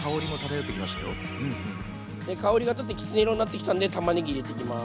香りが立ってきつね色になってきたんでたまねぎ入れていきます。